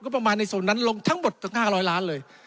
ประมาณในโซนนั้นลงทั้งหมด๕๐๐ล้านเลย